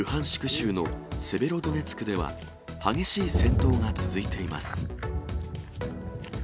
州のセベロドネツクでは激しい戦闘が続いています。